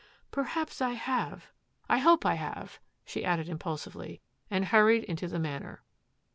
Perhaps I have. I hope I have," she added im pulsively, and hurried into the Manor.